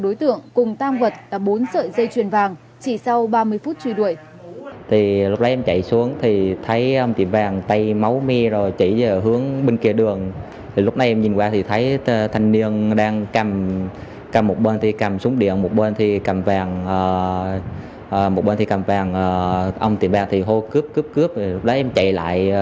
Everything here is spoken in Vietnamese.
đối tượng cùng tăng vật đã bốn sợi dây truyền vàng chỉ sau ba mươi phút truy đuổi